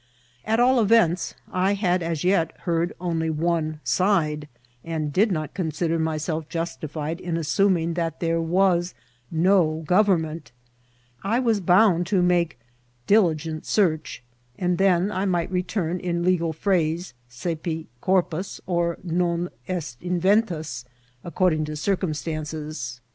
At ell events, I had as yet heard only one side, and did not consider myself justified in aswmiing that there was no government I was bomid to make *^ diligent search,'' and then I might return, in legal phrase, ^^ cepi corpus,'' (NT ^'non est inventus," according to oircumstanoes.